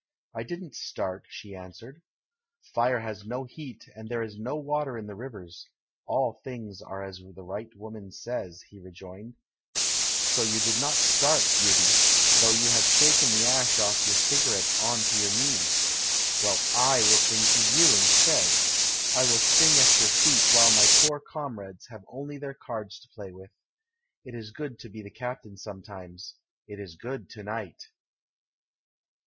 "I didn't start," she answered. "Fire has no heat, and there is no water in the rivers; all things are as the right woman says," he rejoined. "So you did not start, beauty, though you have shaken the ash of your cigarette on to your knees! Well, / will sing to you in stead. I will sing at your feet, while my poor comrades have only their cards to play with. It is good to be the captain sometimes — it is good to night."